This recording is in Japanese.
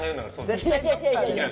いやいやいやいや。